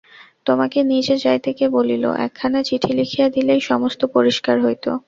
তোমাকে নিজে যাইতে কে বলিল, একখানা চিঠি লিখিয়া দিলেই সমস্ত পরিষ্কার হইত।